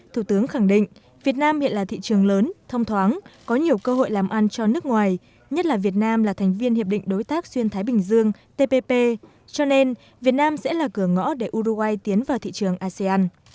thủ tướng khẳng định việt nam hiện là thị trường lớn thông thoáng có nhiều cơ hội làm ăn cho nước ngoài nhất là việt nam là thành viên hiệp định đối tác xuyên thái bình dương tpp cho nên việt nam sẽ là cửa ngõ để uruguay tiến vào thị trường asean